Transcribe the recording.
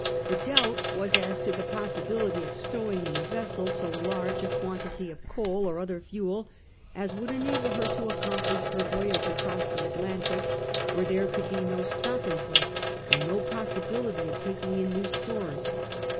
The doubt was as to the pos sibility of stowing in a vessel so large a quantity of coal or other fuel as would enable her to accomplish her voyage across the Atlantic, where there could be no stopping place and no possibility of taking in new stores.